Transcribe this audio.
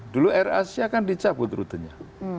dulu air asia kan dicabut rutenya